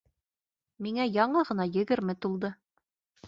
Миңә яңы ғына егерме тулды.